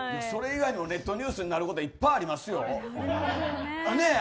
それ以外のネットニュースになることいっぱいありますよ。